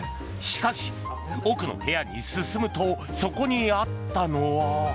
しかし、奥の部屋に進むとそこにあったのは。